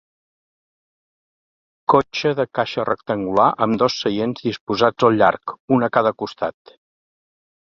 Cotxe de caixa rectangular amb dos seients disposats al llarg, un a cada costat.